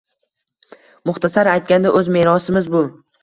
Muxtasar aytganda, o‘z merosimiz bu.